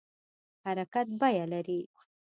حرکت بیه لري